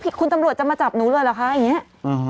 พี่คุณตำรวจจะมาจับหนูเลยหรอคะอย่างเงี้ยอ่าฮะ